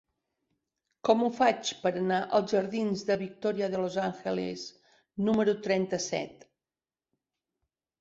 Com ho faig per anar als jardins de Victoria de los Ángeles número trenta-set?